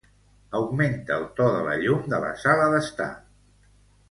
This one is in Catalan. Augmenta el to de la llum de la sala d'estar.